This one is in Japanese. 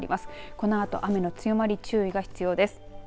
このあと雨の強まり注意が必要です。